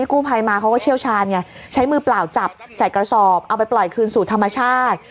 กู้ภัยมาเขาก็เชี่ยวชาญไงใช้มือเปล่าจับใส่กระสอบเอาไปปล่อยคืนสู่ธรรมชาติ